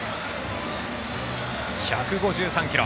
１５３キロ。